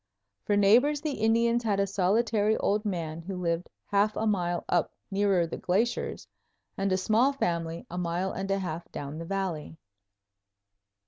For neighbors the Indians had a solitary old man, who lived half a mile up nearer the glaciers, and a small family, a mile and a half down the valley.